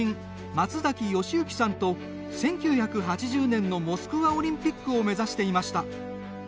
松崎吉恭さんと１９８０年のモスクワオリンピックを目指していました。